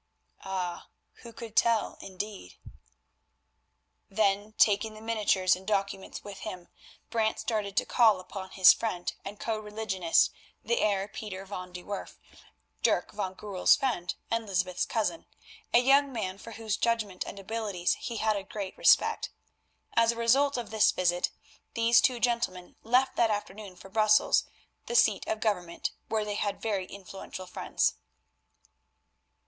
Ah! who could tell indeed? Then, taking the miniatures and documents with him, Brant started to call upon his friend and co religionist, the Heer Pieter van de Werff, Dirk van Goorl's friend, and Lysbeth's cousin, a young man for whose judgment and abilities he had a great respect. As a result of this visit, these two gentlemen left that afternoon for Brussels, the seat of Government, where they had very influential friends.